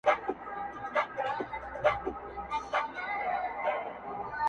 حوا بدله ده ادم بدل دے